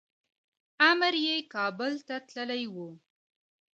امر یې کابل ته تللی و.